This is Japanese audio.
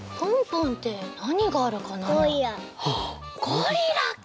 ゴリラか！